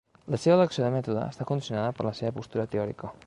La seva elecció de mètode està condicionada per la seva postura teòrica.